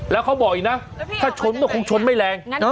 แล้วเขาบอกอีกนะถ้าชนก็คงชนไม่แรง